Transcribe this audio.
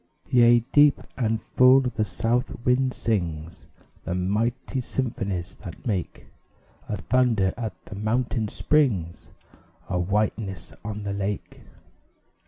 Yea, deep and full the South Wind sings The mighty symphonies that make A thunder at the mountain springs A whiteness on the lake.